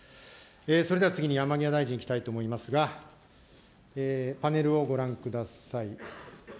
それでは次に山際大臣にいきたいと思いますが、パネルをご覧ください。